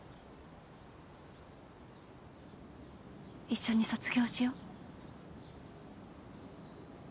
一緒に卒業しよう。